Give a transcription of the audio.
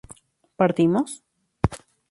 ¿partimos?